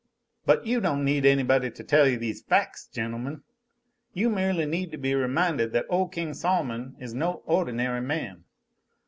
"But you don't need _any_body to tell these fac's, gentlemen," he continued. "You merely need to be reminded that ole King Sol'mon is no ohdinary man.